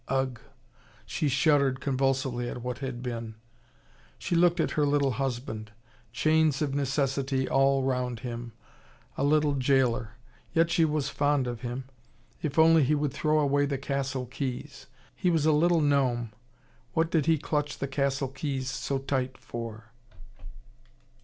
Ugh! she shuddered convulsively at what had been. She looked at her little husband. Chains of necessity all round him: a little jailor. Yet she was fond of him. If only he would throw away the castle keys. He was a little gnome. What did he clutch the castle keys so tight for?